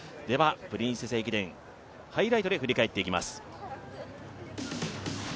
プリンセス駅伝、ハイライトで振り返っていきます。